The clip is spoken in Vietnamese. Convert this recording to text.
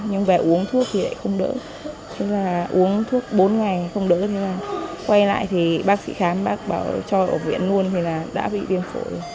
nhưng về uống thuốc thì lại không đỡ uống thuốc bốn ngày không đỡ thì quay lại thì bác sĩ khám bác bảo cho ở viện luôn thì đã bị viêm phổi